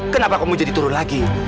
kenapa kamu jadi turun lagi